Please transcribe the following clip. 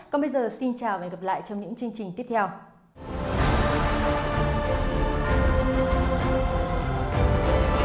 còn bây giờ xin chào và hẹn gặp lại trong những chương trình tiếp theo